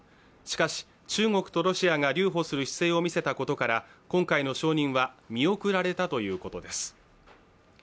しかし、中国とロシアが留保する姿勢をみせたことから今回の承認は見送られたということです。